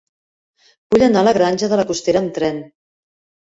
Vull anar a la Granja de la Costera amb tren.